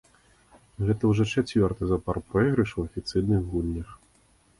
Гэта ўжо чацвёрты запар пройгрыш у афіцыйных гульнях.